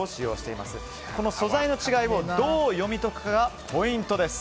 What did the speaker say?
素材の違いをどう読み解くかがポイントです。